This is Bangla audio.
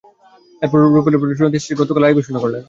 এরপর রুলের ওপর চূড়ান্ত শুনানি শেষে গতকাল রায় ঘোষণা করলেন আদালত।